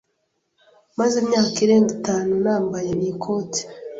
Maze imyaka irenga itanu nambaye iyi koti.